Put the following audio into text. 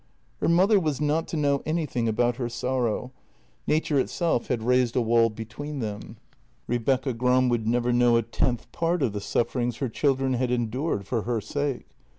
Her mother was not to know anything about her sorrow — 210 JENNY nature itself had raised a wall between them. Rebecca Gram would never know a tenth part of the sufferings her children had endured for her sake.